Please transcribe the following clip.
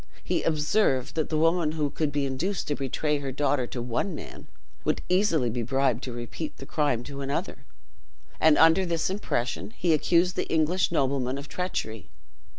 He observed, that the woman who could be induced to betray her daughter to one man, would easily be bribed to repeat the crime to another, and under this impression, he accused the English nobleman of treachery.